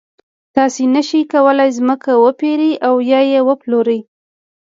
تاسو نشئ کولای ځمکه وپېرئ او یا یې وپلورئ.